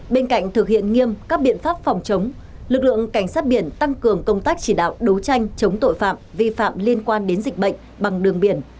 bên cạnh thực hiện nghiêm các biện pháp phòng chống lực lượng cảnh sát biển tăng cường công tác chỉ đạo đấu tranh chống tội phạm vi phạm liên quan đến dịch bệnh bằng đường biển